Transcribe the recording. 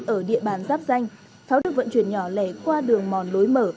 ở địa bàn giáp danh pháo được vận chuyển nhỏ lẻ qua đường mòn lối mở